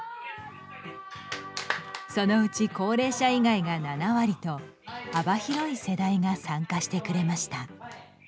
そのうち高齢者以外が７割と幅広い世代が参加してくれました。